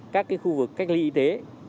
các khu vực cách ly y tế